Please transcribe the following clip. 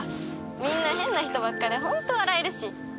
みんな変な人ばっかでホント笑えるし。